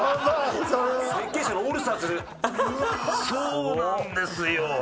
そうなんですよ。